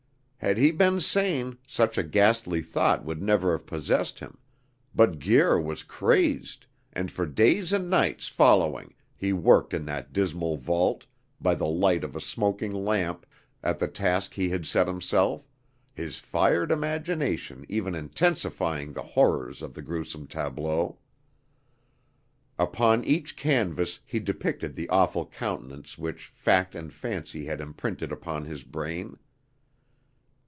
Had he been sane, such a ghastly thought would never have possessed him; but Guir was crazed, and for days and nights following he worked in that dismal vault, by the light of a smoking lamp, at the task he had set himself, his fired imagination even intensifying the horrors of the grewsome tableau. "Upon each canvas he depicted the awful countenance which fact and fancy had imprinted upon his brain.